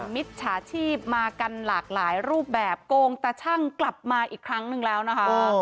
มิจฉาชีพมากันหลากหลายรูปแบบโกงตาชั่งกลับมาอีกครั้งหนึ่งแล้วนะคะ